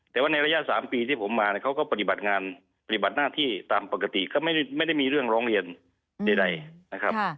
แต่ว่าในระยะ๓ปีที่ผมมาเนี่ยเขาก็ปฏิบัติงานปฏิบัติหน้าที่ตามปกติก็ไม่ได้มีเรื่องร้องเรียนใดนะครับ